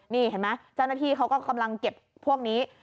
นี่เห็นไหมเจ้าหน้าที่เขาก็กำลังเก็บพวกนี้